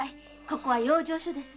ここは養生所です。